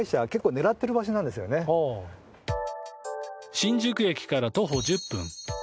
新宿駅から徒歩１０分。